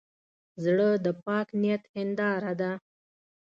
زړه د پاک نیت هنداره ده.